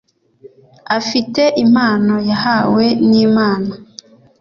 afite impano yahawe n Imana